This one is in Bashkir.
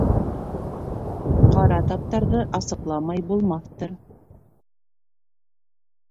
- Ҡара таптарҙы асыҡламай булмаҫтыр.